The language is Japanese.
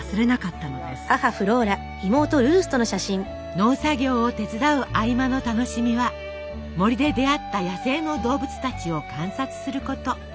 農作業を手伝う合間の楽しみは森で出会った野生の動物たちを観察すること。